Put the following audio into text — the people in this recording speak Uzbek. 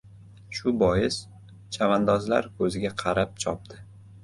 Shu bois, chavandozlar ko‘ziga qarab chopdi.